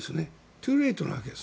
トゥー・レイトなわけです。